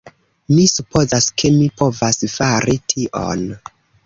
Mi supozas ke mi povas fari tion!